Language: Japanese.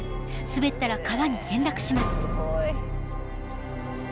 滑ったら川に転落します。